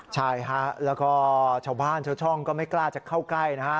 ใช่ฮะแล้วก็ชาวบ้านชาวช่องก็ไม่กล้าจะเข้าใกล้นะฮะ